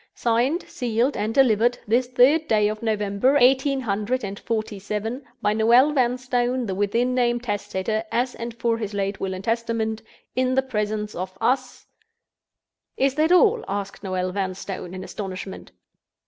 "Signed, sealed, and delivered, this third day of November, eighteen hundred and forty seven, by Noel Vanstone, the within named testator, as and for his last Will and Testament, in the presence of us—" "Is that all?" asked Noel Vanstone, in astonishment.